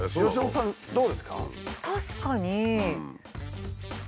確かに。